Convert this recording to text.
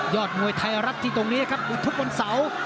มวยไทยรัฐที่ตรงนี้ครับดูทุกวันเสาร์